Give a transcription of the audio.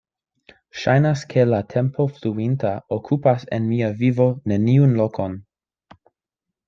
Ŝajnas, ke la tempo fluinta okupas en mia vivo neniun lokon.